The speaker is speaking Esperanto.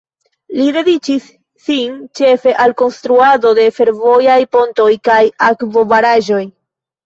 Li dediĉis sin ĉefe al konstruado de fervojaj pontoj kaj akvobaraĵoj.